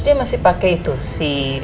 dia masih pakai itu si